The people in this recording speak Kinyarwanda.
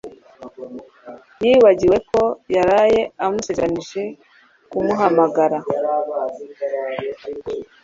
Yibagiwe ko yaraye amusezeranije kumuhamagara.